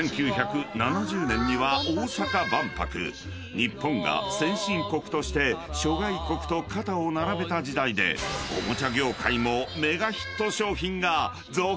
［日本が先進国として諸外国と肩を並べた時代でおもちゃ業界も］